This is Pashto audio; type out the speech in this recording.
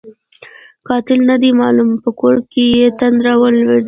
قاتل نه دی معلوم؛ په کور یې تندر ولوېد.